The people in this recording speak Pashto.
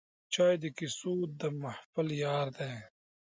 چای د کیسو د محفل یار دی